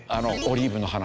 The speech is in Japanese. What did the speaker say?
オリーブの話。